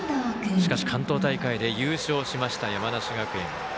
関東大会で優勝しました山梨学院。